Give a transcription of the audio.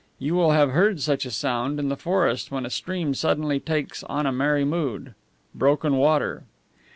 You will have heard such a sound in the forest when a stream suddenly takes on a merry mood broken water.